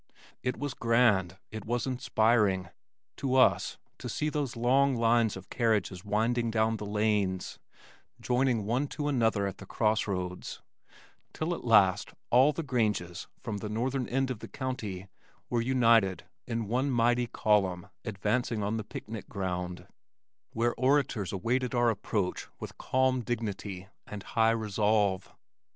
It was grand, it was inspiring to us, to see those long lines of carriages winding down the lanes, joining one to another at the cross roads till at last all the granges from the northern end of the county were united in one mighty column advancing on the picnic ground, where orators awaited our approach with calm dignity and high resolve.